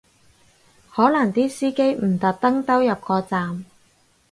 可能啲司機唔特登兜入個站